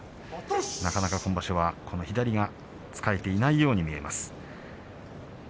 なかなか今場所は左が使えていないように見えます。